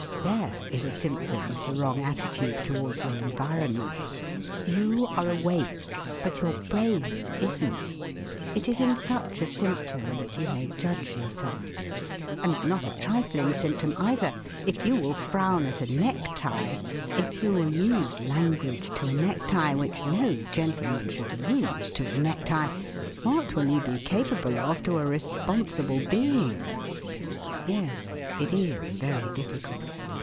There is a symptom of the wrong attitude towards your environment. You are awake, but your brain isn't. It is in such a symptom that you may judge yourself. And not a trifling symptom either! If you will frown at a necktie, if you will use language to a necktie which no gentleman should use to a necktie, what will you be capable of to a responsible being?... Yes, it is very difficult.